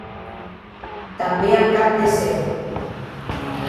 També amb cap de serp.